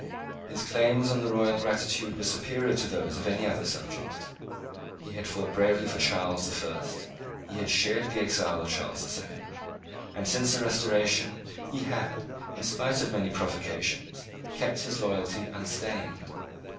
His claims on the royal gratitude were superior to those of any other subject. He had fought bravely for Charles the First: he had shared the exile of Charles the Second; and, since the Restoration, he had, in spite of many provocations, kept his loyalty unstained.